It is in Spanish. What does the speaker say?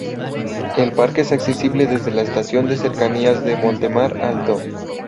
El parque es accesible desde la estación de cercanías de Montemar Alto.